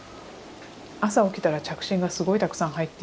朝起きたら着信がすごいたくさん入っていて。